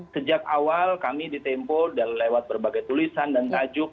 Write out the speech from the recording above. sejak awal kami di tempo lewat berbagai tulisan dan tajuk